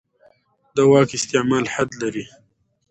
د واک استعمال حد لري